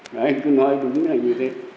đấy cứ nói đúng là như thế